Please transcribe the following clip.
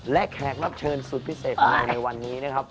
และแขกรับเชิญสุดพิเศษของนายในวันนี้นะครับ